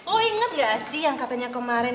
lo inget gak sih yang katanya kemarin